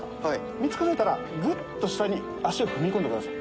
３つ数えたらぐっと下に脚を踏み込んでください。